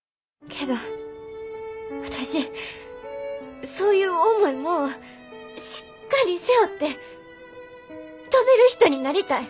けど私そういう重いもんをしっかり背負って飛べる人になりたい。